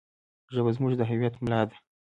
ژبه زموږ د هویت ملا ده.